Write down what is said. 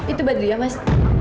mas itu badriah mas